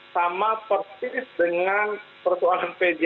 sama persis dengan persoalan pjj